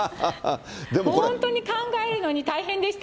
本当に考えるのに大変でした。